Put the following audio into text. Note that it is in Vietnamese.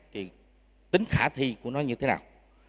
thì tính khả thi của nó như thế nào